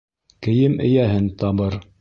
Кейем эйәһен табыр.